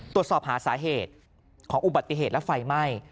ตรวจสอบหาสาเหตุของอุบัติเหตุและไฟไหม้